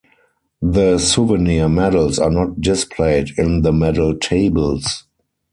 The souvenir medals are not displayed in the medal tables.